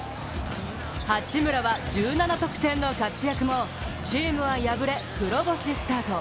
八村は１７得点の活躍もチームは敗れ、黒星スタート。